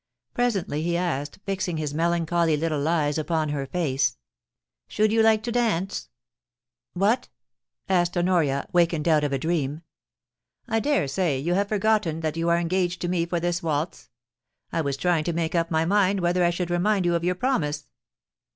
Presently he asked, fixing his melancholy little eyes upon her face :' Should you like to dance ?What ?' asked Honoria, wakened out of a dream. ' I dare say you have forgotten that you are engaged to 238 POLICY AND PASSION. me for this waltz. I was trying to make up my mind whether I should remind you of your promise.'